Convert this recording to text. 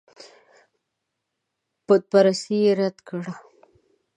بتپرستي یې رد کړه.